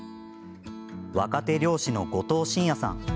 若手漁師の後藤伸弥さん。